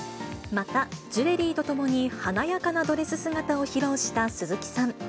また、ジュエリーとともに華やかなドレス姿を披露した鈴木さん。